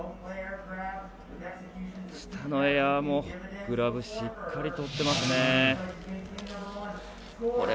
下のエアもグラブしっかりとってますね。